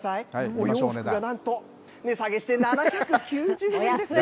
お洋服がなんと、値下げして７９０円です。